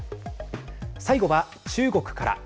最後は中国から。